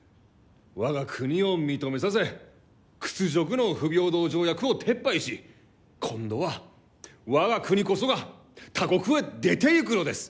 我が国を認めさせ屈辱の不平等条約を撤廃し今度は我が国こそが他国へ出ていくのです！